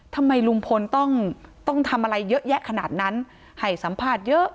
ทำไมลุงพลต้องต้องทำอะไรเยอะแยะขนาดนั้นให้สัมภาษณ์เยอะ